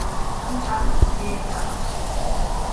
თუმცა ამას ძლიერ ნანობს.